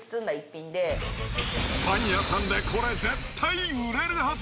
パン屋さんでこれ絶対売れるはず。